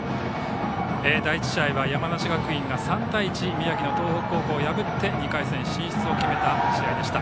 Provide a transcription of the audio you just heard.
第１試合は山梨学院が３対１、宮城の東北高校を破って２回戦進出を決めた試合でした。